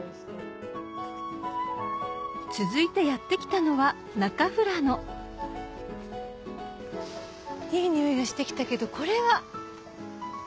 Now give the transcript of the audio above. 続いてやって来たのは中富良野いい匂いがしてきたけどこれは。